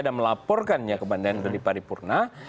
dan melaporkannya ke bandara yang berdiri paripurna